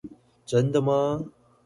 真的嗎